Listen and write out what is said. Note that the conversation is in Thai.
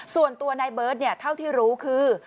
ส่วนตัวนายเบิร์ตเท่าที่รู้คือ